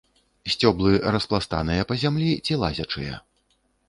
Сцёблы распластаныя па зямлі ці лазячыя.